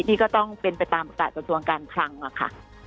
นี่ก็ต้องเป็นไปตามประกาศกระทรวงการคลังค่ะ